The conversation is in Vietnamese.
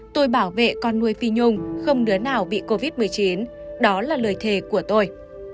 tôi bảo vệ con nuôi phi nhung không đứa nào bị covid một mươi chín đó là lời thề của tôi